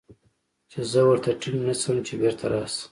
چې زه ورته ټينګ نه سم چې بېرته راسه.